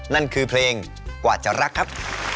นั่นคือเพลงกว่าจะรักครับ